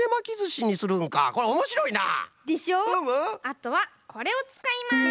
あとはこれをつかいます！